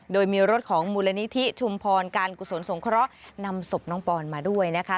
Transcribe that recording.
โดยมีรถของมูลนิธิชุมพรการกุศลสงเคราะห์นำศพน้องปอนมาด้วยนะคะ